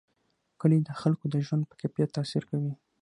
کلي د خلکو د ژوند په کیفیت تاثیر کوي.